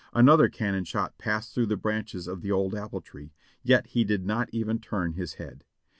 Another cannon shot passed through the branches of the old apple tree, yet he did not even turn his head.